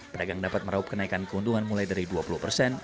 pedagang dapat meraup kenaikan keuntungan mulai dari dua puluh persen